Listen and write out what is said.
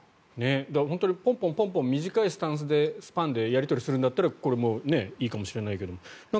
本当にポンポン、短いスパンでやり取りするんだったらこれはいいかもしれないけど。